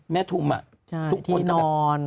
แม่ทุ่มอะทุกคนก็แบบที่นอน